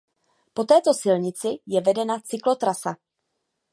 Po této silnici je vedena cyklotrasa.